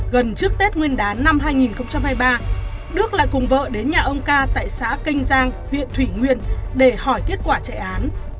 gần trước tết nguyên đán năm hai nghìn hai mươi ba đức lại cùng vợ đến nhà ông ca tại xã kênh giang huyện thủy nguyên để hỏi kết quả chạy án